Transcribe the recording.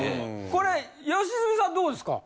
これ良純さんどうですか？